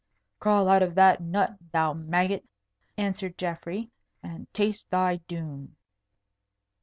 "Crawl out of that nut, thou maggot," answered Geoffrey, "and taste thy doom."